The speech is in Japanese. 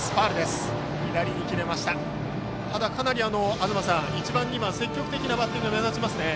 東さん、１番、２番積極的なバッティング目立ちます。